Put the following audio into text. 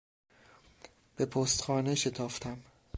به پستخانه شتافتم.